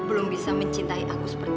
belum bisa mencintai aku seperti itu